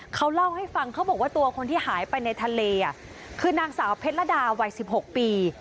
เขาเล่าให้ฟังเขาบอกว่าตัวคนที่หายไปในทะเลคือนางสาวเพชรดาวัย๑๖ปี